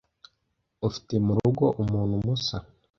ufite murugo umuntu musa